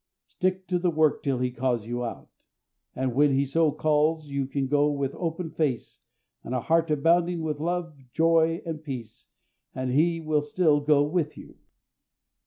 Stick to the work till He calls you out, and when He so calls you can go with open face and a heart abounding with love, joy, and peace, and He will still go with you.